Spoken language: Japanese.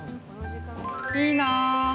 いいな。